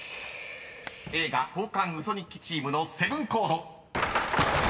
［映画交換ウソ日記チームのセブンコード］